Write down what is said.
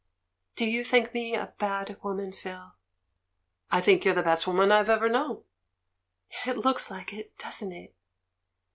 "Do you think me a bad woman, Phil?" "I think you're the best woman I've ever known." "It looks like it, doesn't it?"